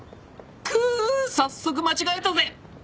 くぅ早速間違えたぜ！